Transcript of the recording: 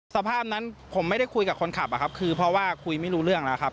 สภาพนั้นผมไม่ได้คุยกับคนขับอะครับคือเพราะว่าคุยไม่รู้เรื่องแล้วครับ